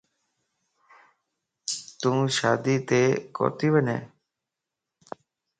تون شاديت ڪوتي وڃين؟